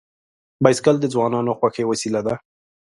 بایسکل د ځوانانو خوښي وسیله ده.